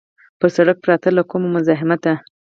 پر سړک پرته له کوم مزاحمته.